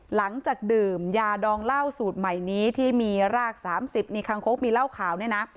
หลังจากดื่มยาดองเหล้าสูตรใหม่นี้ที่มีราก๓๐มีคางคกมีเหล้าขาวเนี่ยนะ